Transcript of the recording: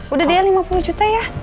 udah dia lima puluh juta ya